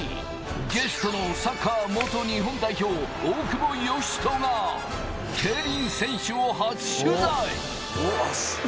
ゲストのサッカー元日本代表・大久保嘉人が、競輪選手を初取材。